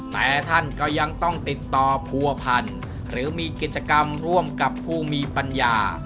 แต่ท่านก็ยังต้องติดต่อผัวพันธ์หรือมีกิจกรรมร่วมกับผู้มีปัญญา